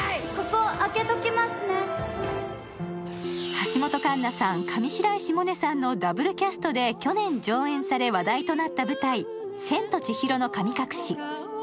橋本環奈さん、上白石萌音さんのダブルキャストで去年上演され話題となった舞台「千と千尋の神隠し」。